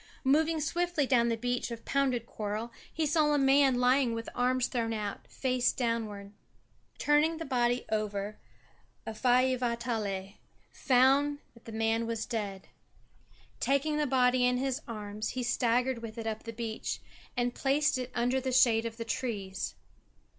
Moving swiftly down the beach of pounded coral, he saw a man lying with arms thrown out, face downward. Turning the body over Faivaatala found that the man was dead. Taking the body in his arms he staggered with it up the beach, and placed it under the shade of the trees.